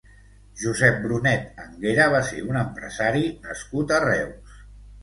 Josep Brunet Anguera va ser un empresari nascut a Reus.